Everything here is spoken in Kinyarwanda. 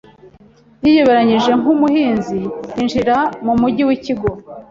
Yiyoberanyije nk'umuhinzi, yinjira mu mujyi w'ikigo.